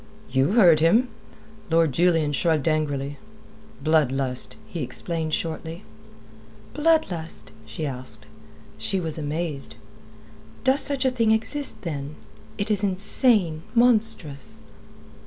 "You heard him." Lord Julian shrugged angrily. "Blood lust," he explained shortly. "Blood lust?" she asked. She was amazed. "Does such a thing exist, then? It is insane, monstrous."